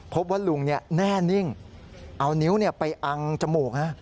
พบว่าลุงแน่นิ่งเอานิ้วไปอังจมูกนะ